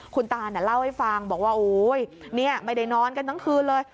คุณตาเล่าให้ฟังบอกว่าโอ๊ยนี่ไม่ได้นอนกันทั้งคืนเลย